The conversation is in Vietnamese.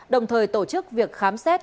đồng thời tổ chức việc khám xét